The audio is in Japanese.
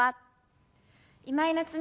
今井菜津美です。